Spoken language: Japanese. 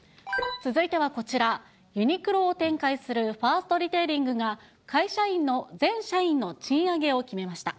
続いてはこちら、ユニクロを展開するファーストリテイリングが、全社員の賃上げを決めました。